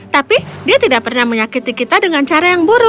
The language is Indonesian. tapi dia tidak pernah menyakiti kita dengan cara yang buruk